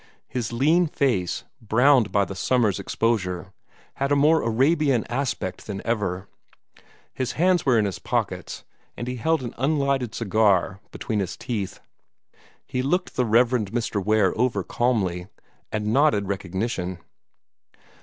His lean face, browned by the summer's exposure, had a more Arabian aspect than ever. His hands were in his pockets, and he held an unlighted cigar between his teeth. He looked the Rev. Mr. Ware over calmly, and nodded recognition.